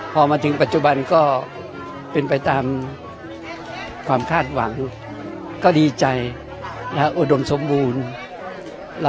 พอมาถึงปัจจุบันก็เป็นไปตามความคาดหวังอยู่ก็ดีใจและอุดมสมบูรณ์